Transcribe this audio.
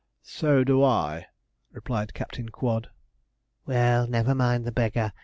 'So do I,' replied Captain Quod. 'Well, never mind the beggar!